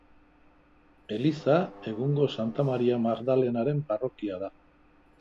Eliza, egungo Santa Maria Magdalenaren parrokia da.